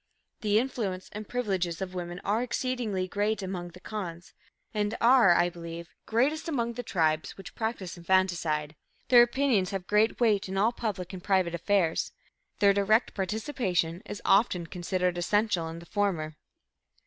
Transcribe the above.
The influence and privileges of women are exceedingly great among the Khonds, and are, I believe, greatest among the tribes which practice infanticide. Their opinions have great weight in all public and private affairs; their direct participation is often considered essential in the former."